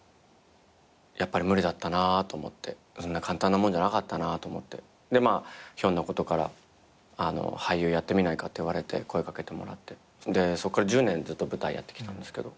やっぱり無理だったなと思ってそんな簡単なもんじゃなかったなと思ってでまあひょんなことから俳優やってみないかって声掛けてもらってでそこから１０年ずっと舞台やってきたんですけど。